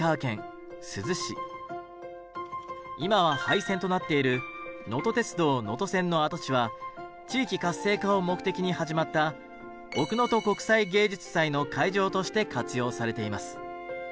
今は廃線となっているのと鉄道能登線の跡地は地域活性化を目的に始まった奥能登国際芸術祭の会場として活用されています。